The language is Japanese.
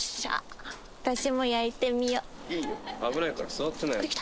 いいよ危ないから座ってなよ。